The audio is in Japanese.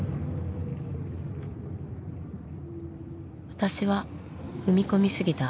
私は踏み込み過ぎた。